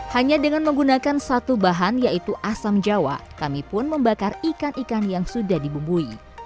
hanya dengan menggunakan satu bahan yaitu asam jawa kami pun membakar ikan ikan yang sudah dibumbui